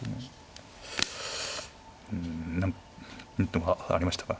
うん何かありましたか。